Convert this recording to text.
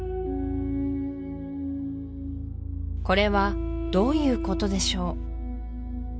これはどういうことでしょう